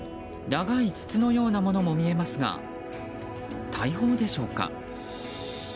長い筒のようなものも見えますが大砲でしょうか。